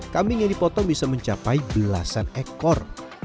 kambing yang dipotong bisa mencapai belasan ekor